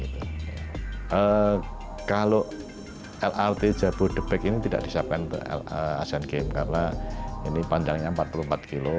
kalau lrt jabodebek ini tidak disiapkan untuk asean games karena ini panjangnya empat puluh empat km